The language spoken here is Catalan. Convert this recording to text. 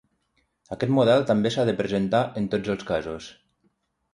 Aquest model també s'ha de presentar en tots els casos.